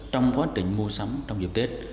trong quá trình mua sắm trong dịp tết